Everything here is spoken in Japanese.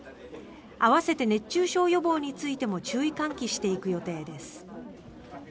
合わせて熱中症予防についても注意喚起していく予定です。